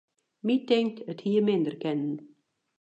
My tinkt, it hie minder kinnen.